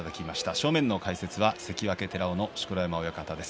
正面の解説は関脇寺尾の錣山親方です。